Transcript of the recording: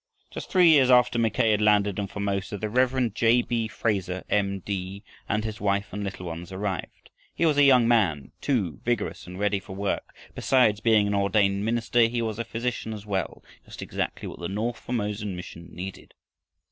Just three years after Mackay had landed in Formosa, the Rev. J. B. Fraser, M. D., and his wife and little ones arrived. He was a young man, too, vigorous and ready for work. Besides being an ordained minister, he was a physician as well, just exactly what the north Formosan mission needed.